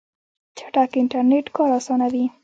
چټک انټرنیټ کار اسانوي.